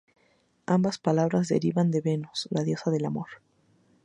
Ambas palabras derivan de Venus, la diosa del amor.